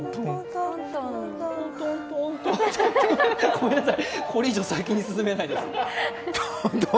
トントントンごめんなさい、これ以上先に進めないです。